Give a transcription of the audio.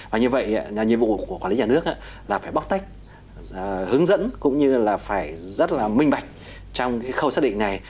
và như vậy nhiệm vụ của quản lý nhà nước là phải bóc tách hướng dẫn cũng như là phải rất là minh bạch trong cái khâu xác định này